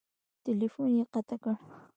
ټیلیفون یې قطع کړ !